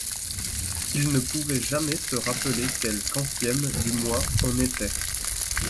Il ne pouvait jamais se rappeler quel quantième du mois on était.